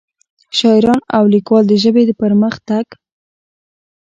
شاعران او ليکوال دَ ژبې پۀ پرمخ تګ